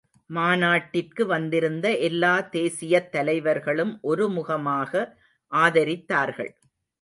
மாநாட்டிற்கு வந்திருந்த எல்லா தேசியத் தலைவர்களும் ஒருமுகமாக ஆதரித்தார்கள்.